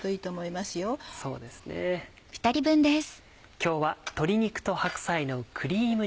今日は「鶏肉と白菜のクリーム煮」。